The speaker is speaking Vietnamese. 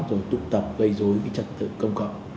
rồi tụ tập gây dối cái trật tự công cộng